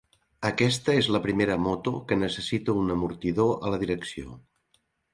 Aquesta es la primera moto que necessita un amortidor a la direcció.